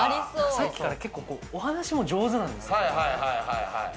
さっきから、お話も上手なんですよ。